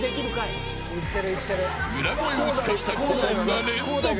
裏声を使った高音が連続。